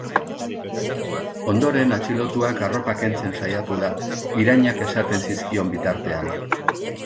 Ondoren atxilotuak arropa kentzen saiatu da, irainak esaten zizkion bitartean.